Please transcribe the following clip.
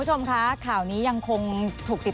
สวัสดีครับ